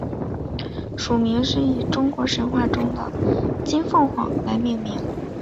属名是以中国神话中的金凤凰来命名。